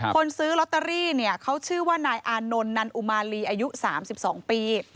คนซื้อลอตเตอรี่เนี่ยเขาชื่อว่านายอานนท์นันอุมาลีอายุ๓๒ปี